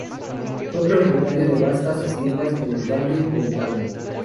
Fue propietario de vastas haciendas en el valle del Tambo.